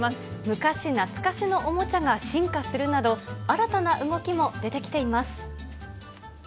昔懐かしのおもちゃが進化するなど、新たな動きも出てきています。